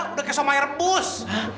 udah kesel sama air bus